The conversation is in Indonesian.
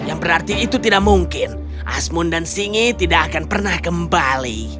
yang berarti itu tidak mungkin asmun dan singi tidak akan pernah kembali